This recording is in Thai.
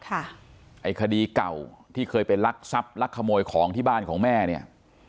ไอ้คดีเก่าที่เคยไปลักทรัพย์ลักขโมยของที่บ้านของแม่เนี่ย